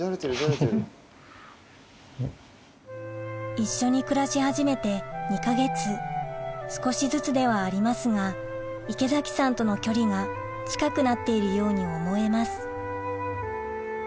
一緒に暮らし始めて２か月少しずつではありますが池崎さんとの距離が近くなっているように思えます